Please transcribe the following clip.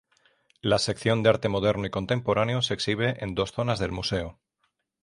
La sección de arte moderno y contemporáneo se exhibe en dos zonas del museo.